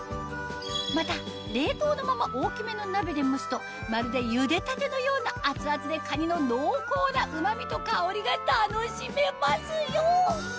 また冷凍のまま大きめの鍋で蒸すとまるでゆでたてのような熱々でかにの濃厚なうま味と香りが楽しめますよ